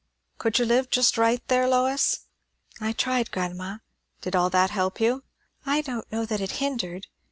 "Could you live just right there, Lois?" "I tried, grandma." "Did all that help you?" "I don't know that it hindered.